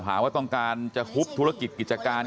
หาว่าต้องการจะฮุบธุรกิจกิจการ